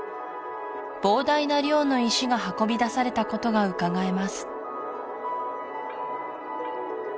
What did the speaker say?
膨大な量の石が運び出されたことがうかがえます